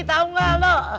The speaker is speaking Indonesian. tau gak lo